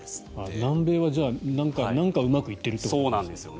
南米はなんかうまくいっているということなんですね。